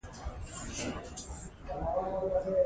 افغانستان د غزني په اړه ډیر مشهور او زاړه تاریخی روایتونه لري.